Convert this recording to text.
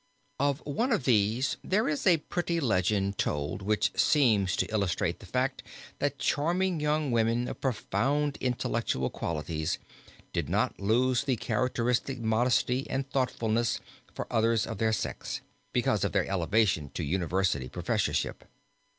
Of one of these there is a pretty legend told, which seems to illustrate the fact that charming young women of profound intellectual qualities did not lose the characteristic modesty and thoughtfulness for others of their sex, because of their elevation to university professorship.